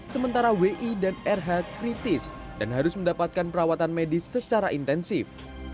sementara wi dan rh kritis dan harus mendapatkan perawatan medis secara intensif